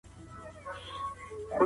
زه اوس بايد ځان تيار کړم.